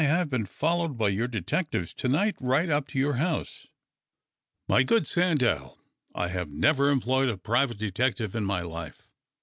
have been followed 1)y your detectives to inglit right up to your house." " My good Sandell, I have never employed a private detective in my life.